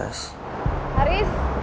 oh emangnya kenapa di